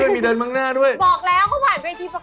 บอกแล้วเขาผ่านบนวัยที่ประกวดมา